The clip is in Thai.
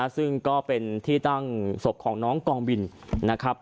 ซึ่งก็เป็นที่ตั้งศพของน้องกองบินนะครับ